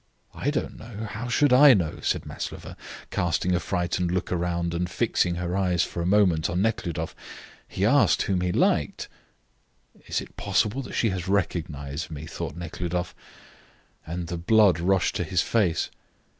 "I don't know. How should I know?" said Maslova, casting a frightened look round, and fixing her eyes for a moment on Nekhludoff. "He asked whom he liked." "Is it possible that she has recognised me?" thought Nekhludoff, and the blood rushed to his face.